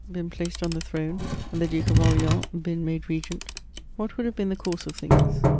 been placed on the throne, and the Duke of Orleans been made regent, what would have been the course of things